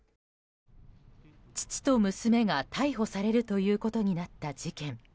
父と娘が逮捕されるということになった事件。